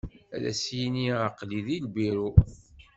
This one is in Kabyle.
Ad as-yini aqlih di lbiru.